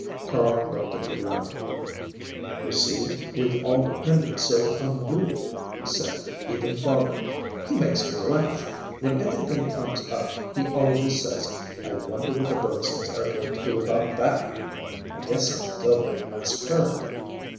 Carl looked at the ground. "You see, we've all depended so on you," he said, "even father. He makes me laugh. When anything comes up he always says, 'I wonder what the Bergsons are going to do about that? I guess I'll go and ask her.